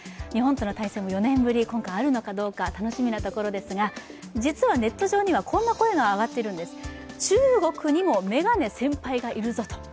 日本との対戦も４年ぶり、今回あるのかどうか楽しみなところですが実はネット上にはこんな声が上がっているんです。